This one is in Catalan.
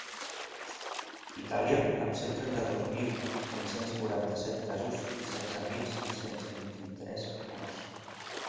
Itàlia, amb cent trenta-dos mil cinc-cents quaranta-set casos i setze mil cinc-cents vint-i-tres morts.